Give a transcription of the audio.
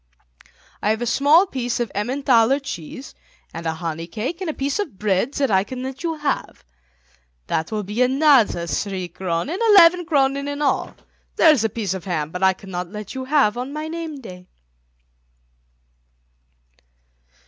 I have a small piece of Emmenthaler cheese and a honey cake and a piece of bread that I can let you have. That will be another three kronen, eleven kronen in all. There is a piece of ham, but that I cannot let you have on my name day."